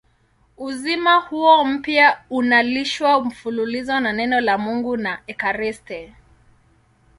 Uzima huo mpya unalishwa mfululizo na Neno la Mungu na ekaristi.